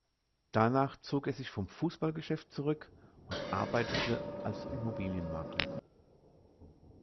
Danach zog er sich vom Fußballgeschäft zurück und arbeitete als Immobilienmakler.